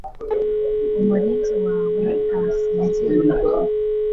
umurinzi wawe ntasinziriye